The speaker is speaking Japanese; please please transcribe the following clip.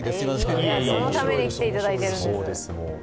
そのために来ていただいているんです。